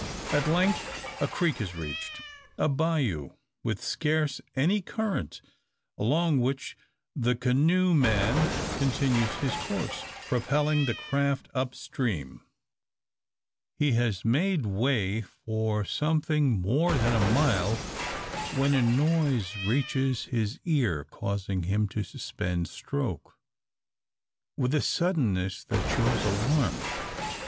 At length a creek is reached, a bayou with scarce any current; along which the canoe man continues his course, propelling the craft up stream. He has made way for something more than a mile, when a noise reaches his ear, causing him to suspend stroke, with a suddenness that shows alarm.